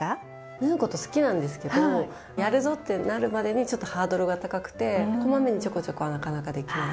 縫うこと好きなんですけどやるぞってなるまでにちょっとハードルが高くて小まめにちょこちょこはなかなかできない。